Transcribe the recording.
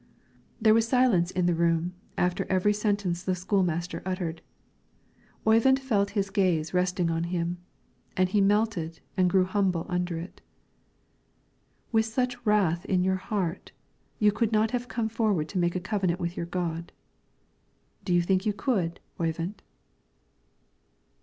There was silence in the room after every sentence the school master uttered. Oyvind felt his gaze resting on him, and he melted and grew humble under it. "With such wrath in your heart, you could not have come forward to make a covenant with your God. Do you think you could, Oyvind?"